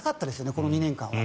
この２年間は。